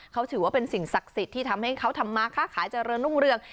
เขาถือว่าเป็นสิ่งศักดิ์สิทธิ์ที่ทำให้เขาทำมาค่าขายเจริญรุ่งเรือง